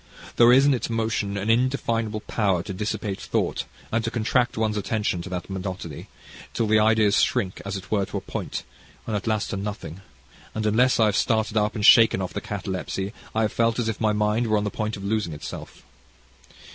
There is in its motion an indefinable power to dissipate thought, and to contract one's attention to that monotony, till the ideas shrink, as it were, to a point, and at last to nothing and unless I had started up, and shook off the catalepsy I have felt as if my mind were on the point of losing itself.